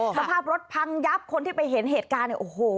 ทหารตรอบรถภังยับคนที่เผ่กไปเห็นเหตุการณ์โอ้โห